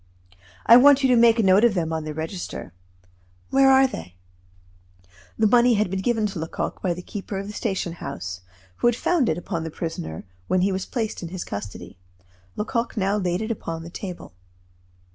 I want you to make a note of them on the register. Where are they?" The money had been given to Lecoq by the keeper of the station house, who had found it upon the prisoner when he was placed in his custody. Lecoq now laid it upon the table.